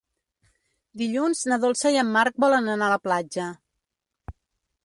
Dilluns na Dolça i en Marc volen anar a la platja.